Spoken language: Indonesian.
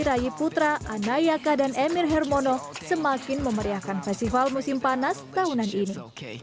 ray putra anayaka dan emir hermono semakin memeriahkan festival musim panas tahunan ini